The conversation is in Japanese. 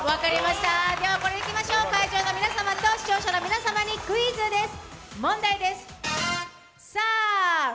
では会場の皆様と視聴者の皆さんにクイズです。